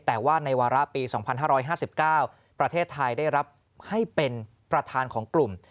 แต่ว่าในวาระปี๒๕๕๙ประเทศไทยได้รับให้เป็นประธานของกลุ่ม